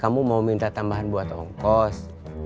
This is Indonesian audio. kamu mau minta tambahan buat ongkos